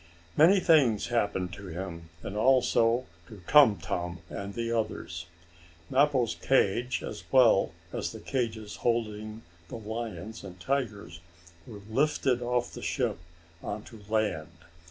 Many things happened to him, and also to Tum Tum and the others. Mappo's cage, as well as the cages holding the lions and tigers, were lifted off the ship onto land.